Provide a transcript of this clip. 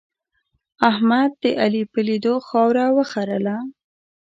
احمد د علي په لیدو خاوره وخرله.